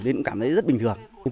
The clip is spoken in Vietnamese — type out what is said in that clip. nên cũng cảm thấy rất bình thường